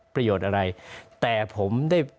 ประโยชน์อะไรแต่ผมได้